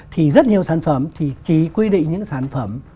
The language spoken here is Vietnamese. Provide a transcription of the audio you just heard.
thì rất nhiều sản phẩm thì chỉ quy định những sản phẩm